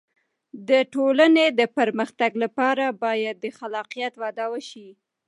د ټولنې د پرمختګ لپاره باید د خلاقیت وده وشي.